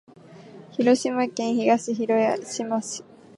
広島県東広島市